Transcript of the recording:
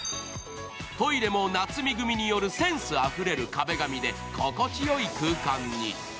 トイレも夏水組によるセンスあふれる壁紙で、心地よい空間に。